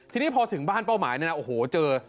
ทีนี้พอถึงบ้านเป้าหมายเนี่ยนะโอ้โหเจอ